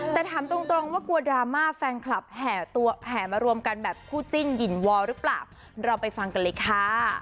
จำตรงว่ากลัวดราม่าแฟนคลับแหมารวมกันแบบผู้จิ้นหยินวอร์หรือเปล่าเราไปฟังกันเลยค่ะ